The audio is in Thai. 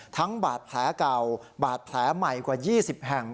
บาดแผลเก่าบาดแผลใหม่กว่า๒๐แห่ง